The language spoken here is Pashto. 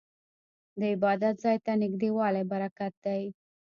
د عبادت ځای ته نږدې والی برکت دی.